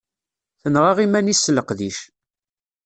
Tenɣa iman-is s leqdic.